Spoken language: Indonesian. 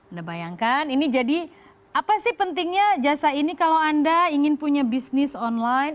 anda bayangkan ini jadi apa sih pentingnya jasa ini kalau anda ingin punya bisnis online